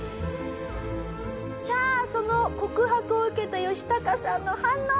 さあその告白を受けたヨシタカさんの反応は。